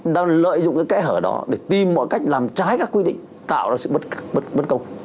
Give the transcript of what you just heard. đang lợi dụng cái kẽ hở đó để tìm mọi cách làm trái các quy định tạo ra sự bất công